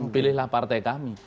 pilihlah partai kami